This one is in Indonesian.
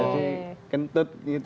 jadi kentut gitu